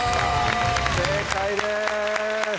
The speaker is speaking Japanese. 正解です！